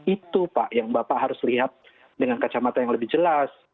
itu pak yang bapak harus lihat dengan kacamata yang lebih jelas